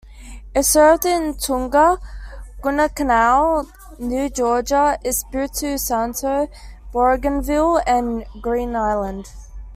It served in Tonga, Guadalcanal, New Georgia, Espiritu Santo, Bougainville and Green Island.